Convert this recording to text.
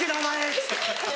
っつって。